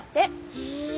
へえ。